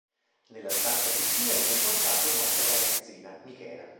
Nella stanza vicina viene portata un'altra ragazzina, Michela.